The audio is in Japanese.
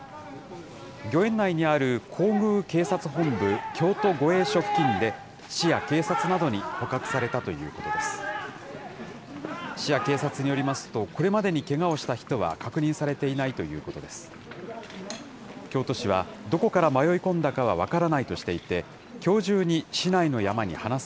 御苑内にある皇宮警察本部京都護衛署付近で、市や警察などに捕獲されたということです。